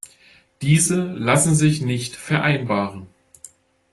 Diese lassen sich nicht vereinbaren.